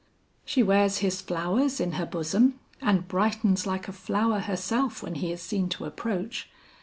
"She wears his flowers in her bosom, and brightens like a flower herself when he is seen to approach.